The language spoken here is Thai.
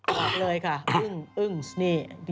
บอกเลยค่ะอึ้งอึ้งนี่